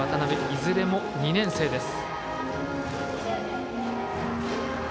いずれも２年生です。